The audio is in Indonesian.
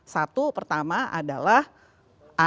satu pertama adalah anaknya menentukan